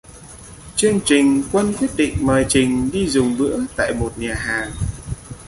Chương trình quân quyết định mời trình đi dùng bữa tại một nhà hàng